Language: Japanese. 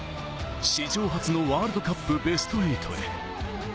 史上初のワールドカップ・ベスト８へ。